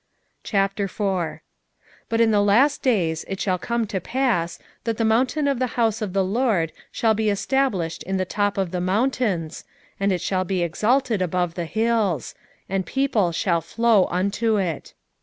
4:1 But in the last days it shall come to pass, that the mountain of the house of the LORD shall be established in the top of the mountains, and it shall be exalted above the hills; and people shall flow unto it.